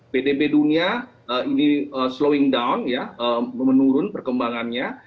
pdb dunia ini slowing down ya menurun perkembangannya